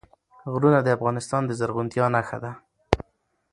غرونه د افغانستان د زرغونتیا نښه ده.